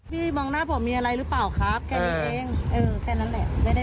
พี่มองหน้าผมมีอะไรหรือเปล่าครับแค่นี้เอง